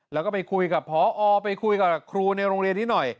แล้วก็ไปคุยกับพอไปคุยกับครูในโรงเรียนนี้หน่อย